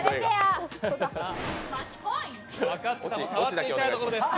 若槻さんも触っていきたいところです。